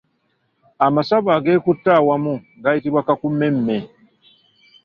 Amasavu ageekutte awamu gayitibwa Kakumemme.